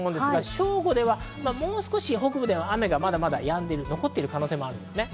正午ではもう少し、北部では雨が残ってる可能性もあります。